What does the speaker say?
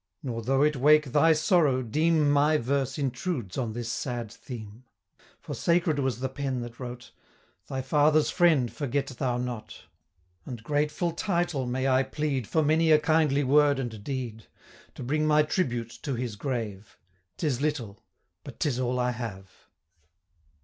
Nor, though it wake thy sorrow, deem My verse intrudes on this sad theme; for sacred was the pen that wrote, 150 'Thy father's friend forget thou not:' And grateful title may I plead, For many a kindly word and deed, To bring my tribute to his grave: 'Tis little but 'tis all I have.